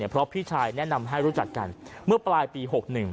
เพราะพี่ชายแนะนำให้รู้จักกันเมื่อปลายปี๖๑